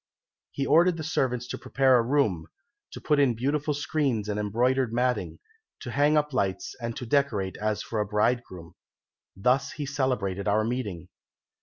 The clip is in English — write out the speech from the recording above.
He ordered the servants to prepare a room, to put in beautiful screens and embroidered matting, to hang up lights and to decorate as for a bridegroom. Thus he celebrated our meeting.